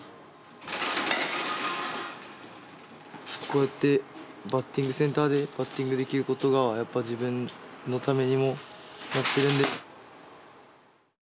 こうやってバッティングセンターでバッティングできることがやっぱ自分のためにもなってるんで。